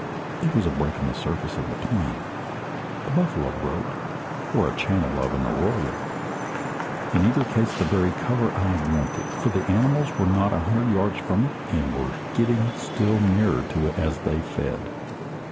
It was a break in the surface of the plain, a buffalo road, or the channel of an arroyo; in either case the very cover I wanted, for the animals were not a hundred yards from it, and were getting still nearer to it as they fed.